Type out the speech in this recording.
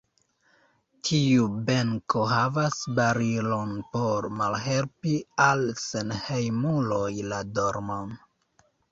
Tiu benko havas barilon por malhelpi al senhejmuloj la dormon.